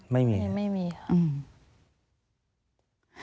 ไม่มีครับไม่มีครับ